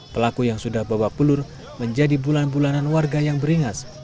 pelaku yang sudah babak pelur menjadi bulan bulanan warga yang beringas